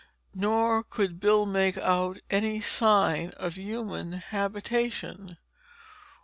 Nor could Bill make out any sign of human habitation.